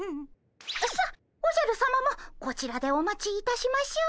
さあおじゃるさまもこちらでお待ちいたしましょう。